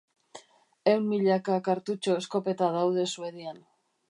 Ehun milaka kartutxo eskopeta daude Suedian.